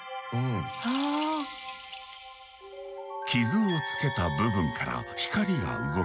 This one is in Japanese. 傷をつけた部分から光が動き出し